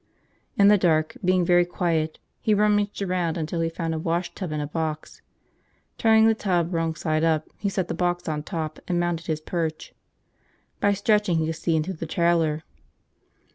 In the dark, being very quiet, he rummaged around until he found a washtub and a box. Turning the tub wrong side up, he set the box on top and mounted his perch. By stretching, he could see into the trailer.